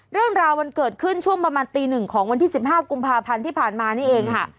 เรื่องราวมันเกิดขึ้นช่วงประมาณตีหนึ่งของวันที่๑๕กุมภาพันธ์ที่ผ่านมานี่เองค่ะ